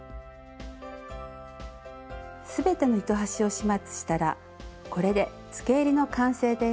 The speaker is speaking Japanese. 全ての糸端を始末したらこれでつけえりの完成です。